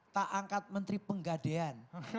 tak angkat menteri penggadean